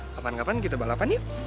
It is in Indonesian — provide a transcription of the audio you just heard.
kapan kapan kita balapan yuk